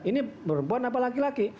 ini perempuan apa laki laki